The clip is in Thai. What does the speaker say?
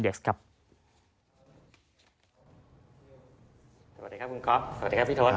สวัสดีครับคุณก๊อฟสวัสดีครับพี่ทศ